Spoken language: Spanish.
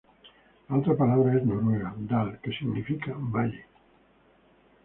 La otra palabra es noruega, "dal" que significa 'valle'.